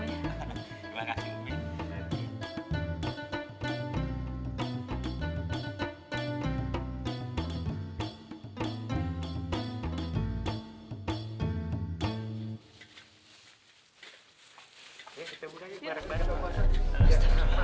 terima kasih bang